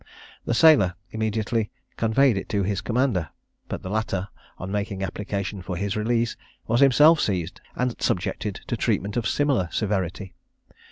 The sailor immediately conveyed it to his commander; but the latter on making application for his release was himself seized and subjected to treatment of similar severity.